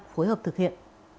phối hợp thực hiện